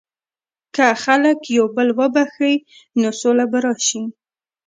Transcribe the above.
که خلک یو بل وبخښي، نو سوله به راشي.